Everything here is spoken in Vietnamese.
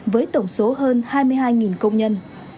với tổng số hơn hai mươi hai công nhân